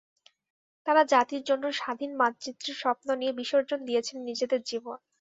তাঁরা জাতির জন্য স্বাধীন মানচিত্রের স্বপ্ন নিয়ে বিসর্জন দিয়েছেন নিজেদের জীবন।